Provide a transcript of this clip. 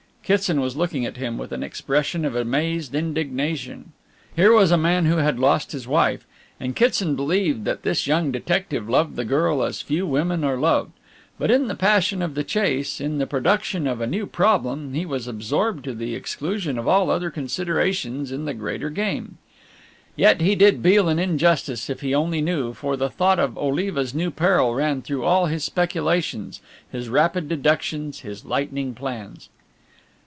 Kitson was looking at him with an expression of amazed indignation. Here was a man who had lost his wife, and Kitson believed that this young detective loved the girl as few women are loved; but in the passion of the chase, in the production of a new problem, he was absorbed to the exclusion of all other considerations in the greater game. Yet he did Beale an injustice if he only knew, for the thought of Oliva's new peril ran through all his speculations, his rapid deductions, his lightning plans.